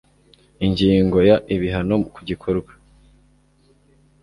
Ingingo ya Ibihano ku gikorwa